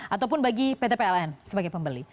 ataupun bagi pt pln sebagai pembeli